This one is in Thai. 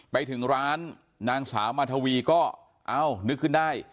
ไปถึงร้านนางสาวมาทวีก็เอ้านึกขึ้นได้